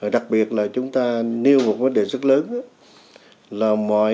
đặc biệt là chúng ta nêu một vấn đề rất lớn là mọi